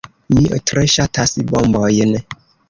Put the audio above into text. Mi tre ŝatas bombojn.